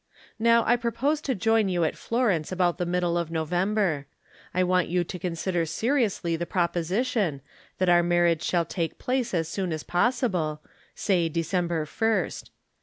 Now, I propose to join you at Florence about the middle of November. I want you to consider seriously the proposition, that our marriage shall take place as soon as possible — say December first.